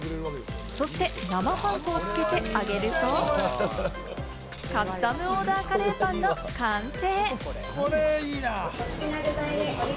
そして生パン粉をつけて揚げると、カスタムオーダーカレーパンの完成。